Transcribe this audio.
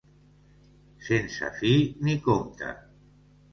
Sense fi ni compte.